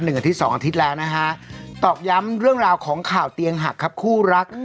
อาทิตย์สองอาทิตย์แล้วนะฮะตอกย้ำเรื่องราวของข่าวเตียงหักครับคู่รัก